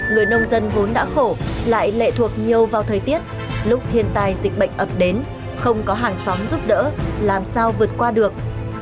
người nông dân vốn đã khổ lại lệ thuộc nhiều vào thời tiết lúc thiên tai dịch bệnh ập đến không có hàng xóm giúp đỡ làm sao vượt qua được